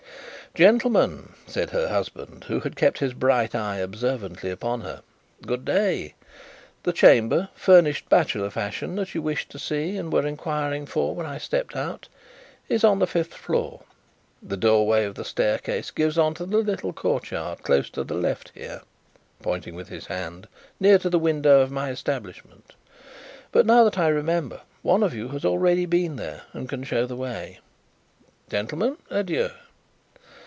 "Gentlemen," said her husband, who had kept his bright eye observantly upon her, "good day. The chamber, furnished bachelor fashion, that you wished to see, and were inquiring for when I stepped out, is on the fifth floor. The doorway of the staircase gives on the little courtyard close to the left here," pointing with his hand, "near to the window of my establishment. But, now that I remember, one of you has already been there, and can show the way. Gentlemen, adieu!"